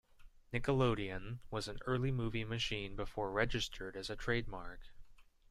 "Nickelodeon" was an early movie machine before registered as a trademark.